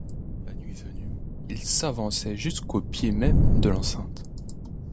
La nuit venue, ils s’avançaient jusqu’au pied même de l’enceinte.